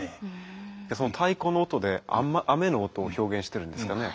その太鼓の音で雨の音を表現しているんですかね。